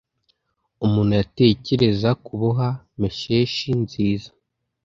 Umuntu yatekereza, kuboha meshes nziza